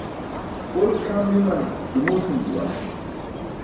Urk c̣ʰam ni̇man dumul ṣi̇m juwan.